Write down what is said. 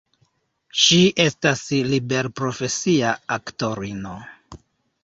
Ŝi estas liberprofesia aktorino.